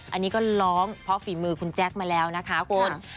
อันนี้ก็ร้องเพราะฝีมือคุณแจ๊คมาแล้วนะคะคุณ